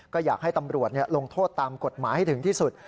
ก็อยากให้ตำรวจลงโทษตามกฎหมายให้ถึงที่สุด